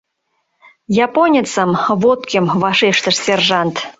— Японецым, вот кӧм! — вашештыш сержант.